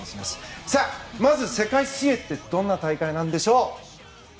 まず、世界水泳ってどんな大会なんでしょう。